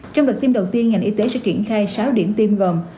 trong đợt tiêm đầu tiên ngành y tế sẽ triển khai sáu điểm tiêm gồm